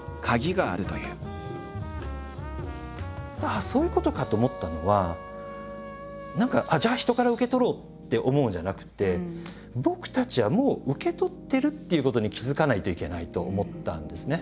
ああそういうことかと思ったのは何かじゃあ人から受け取ろうって思うんじゃなくてっていうことに気付かないといけないと思ったんですね。